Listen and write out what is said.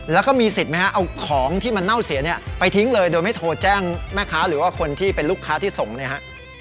แล้วก็มีสิทธิ์ไหมฮะเอาของที่มันเน่าเสียเนี่ยไปทิ้งเลยโดยไม่โทรแจ้งแม่ค้าหรือว่าคนที่เป็นลูกค้าที่ส่งเนี่ยฮะ